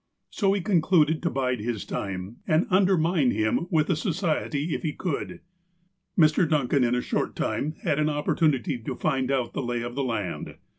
So he concluded to bide his time, and undermine him with the Society if he could. Mr. Duncan in a short time had an opportunity to find out the lay of the land.